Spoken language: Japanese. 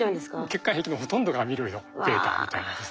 血管壁のほとんどがアミロイドβみたいなですね。